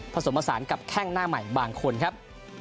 ผสมผสานกับแข้งหน้าใหม่บางคนครับ